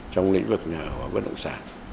trong lĩnh vực nhà ở và bất động sản